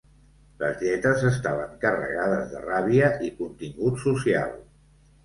Les lletres estaven carregades de ràbia i contingut social.